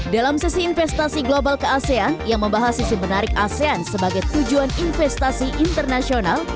dalam sesi investasi global ke asean yang membahas sisi menarik asean sebagai tujuan investasi internasional